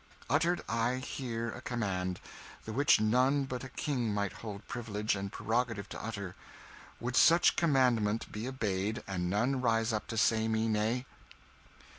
Uttered I here a command, the which none but a king might hold privilege and prerogative to utter, would such commandment be obeyed, and none rise up to say me nay?"